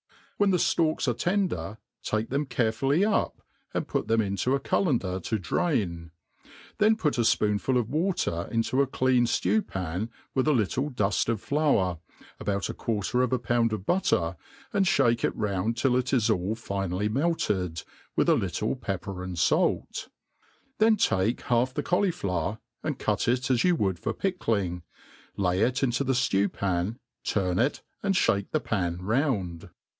When the ftaiks are tender, take them carefully up, and put them into a cullender to drain : then put a fpoonful of water into a rleaii fiew pan with a little duft offlour, about a quarter of a pound of butter, and ihake it round till it is all finely melted, with alitt)e pepper and fatt ; then take half the cauliflower and cut it as you would for pickling, lay it into the ftew pan, turn it^ and ibake the pan round.